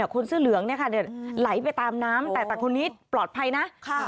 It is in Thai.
คนเสื้อเหลืองไหลไปตามน้ำแต่แต่คนนี้ปลอดภัยนะ